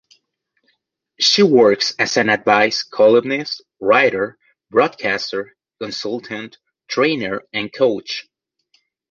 She works as an advice columnist, writer, broadcaster, consultant, trainer and coach.